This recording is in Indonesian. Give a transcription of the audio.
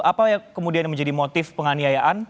apa yang kemudian menjadi motif penganiayaan